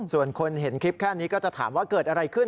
ส่วนคนเห็นคลิปแค่นี้ก็จะถามว่าเกิดอะไรขึ้น